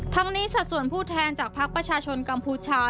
ทั้งนี้สัดส่วนผู้แทนจากภักดิ์ประชาชนกัมพูชา